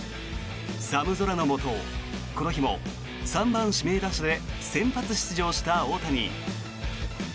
寒空のもと、この日も３番指名打者で先発出場した大谷。